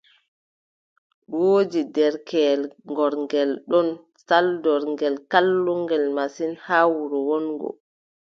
Woodi derkeyel gorngel ɗon, saldorngel, kallungel masin haa wuro wonngo.